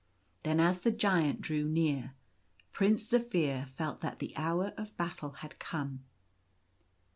Then, as the Giant drew near, Prince Zaphir felt that the hour of battle had come.